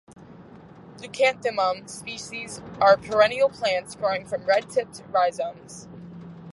"Leucanthemum" species are perennial plants growing from red-tipped rhizomes.